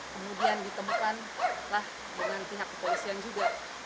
kemudian ditemukanlah dengan pihak kepolisian juga